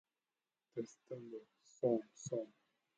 The time between deployments is known as dwell time.